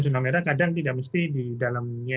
zona merah kadang tidak mesti di dalamnya